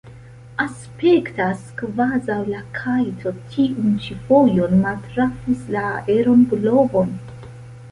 Aspektas, kvazaŭ la kajto tiun ĉi fojon maltrafus la aeran blovon.